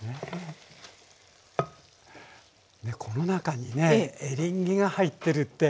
ねっこの中にねエリンギが入ってるって